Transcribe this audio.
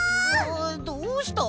どうした？